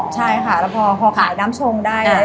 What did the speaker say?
ใช่ค่ะแล้วพอขายน้ำชงได้